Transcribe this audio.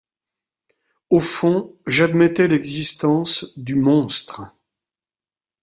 Au fond, j’admettais l’existence du « monstre ».